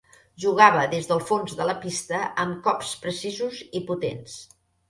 Jugava des del fons de la pista amb cops precisos i potents.